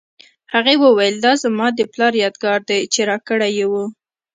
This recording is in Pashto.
هغې وویل دا زما د پلار یادګار دی چې راکړی یې و